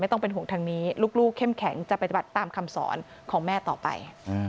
ต้องเป็นห่วงทางนี้ลูกเข้มแข็งจะปฏิบัติตามคำสอนของแม่ต่อไป